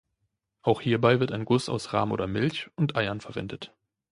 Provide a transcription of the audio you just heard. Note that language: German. Auch hierbei wird ein Guss aus Rahm oder Milch und Eiern verwendet.